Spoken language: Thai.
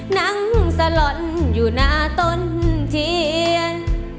นั่งสลอนอยู่หน้าต้นเทียน